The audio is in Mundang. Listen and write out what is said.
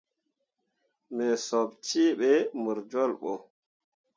Me sop cee ɓe mor jolɓo.